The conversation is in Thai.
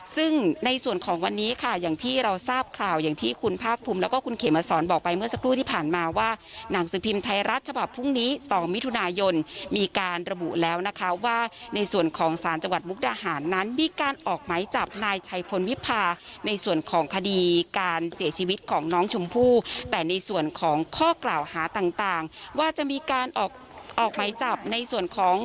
ซึ่งในส่วนของวันนี้ค่ะอย่างที่เราทราบข่าวอย่างที่คุณภาคภูมิแล้วก็คุณเขมสอนบอกไปเมื่อสักครู่ที่ผ่านมาว่าหนังสือพิมพ์ไทยรัฐฉบับพรุ่งนี้๒มิถุนายนมีการระบุแล้วนะคะว่าในส่วนของสารจังหวัดมุกดาหารนั้นมีการออกไหมจับนายชัยพลวิพาในส่วนของคดีการเสียชีวิตของน้องชมพู่แต่ในส่วนของข้อกล่าวหาต่างว่าจะมีการออกออกไหมจับในส่วนของ